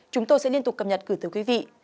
chúng tôi sẽ liên tục cập nhật cử quý vị